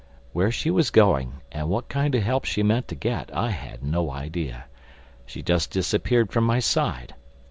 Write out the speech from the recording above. Where she was going and what kind of help she meant to get, I had no idea. She just disappeared from my side.